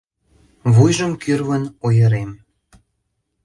Вуйжым кӱрлын ойырем!..